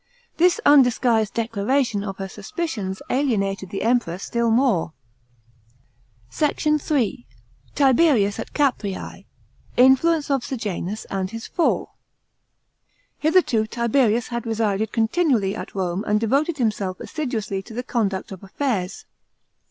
This undisguised declaration of her suspicions alienated the Emperor still more. SHOT. III.— TIBERIUS AT CABBED. INFLUENCE OF SEJANUS AND HIS FALL. § 15. Hitherto Tiberius had resided continually at Rome, and devoted himself assiduously to the conduct of affairs.